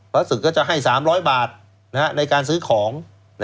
ศึกก็จะให้๓๐๐บาทในการซื้อของ